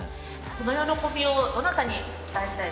この喜びをどなたに伝えたいですか？